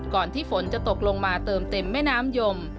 ที่ฝนจะตกลงมาเติมเต็มแม่น้ำยม